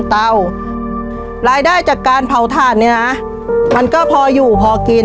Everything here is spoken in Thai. ชีวิตหนูเกิดมาเนี่ยอยู่กับดิน